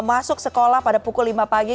masuk sekolah pada pukul lima pagi